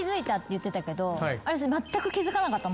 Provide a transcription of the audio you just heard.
言ってたけどまったく気付かなかったの？